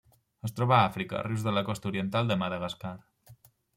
Es troba a Àfrica: rius de la costa oriental de Madagascar.